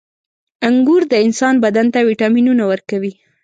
• انګور د انسان بدن ته ویټامینونه ورکوي.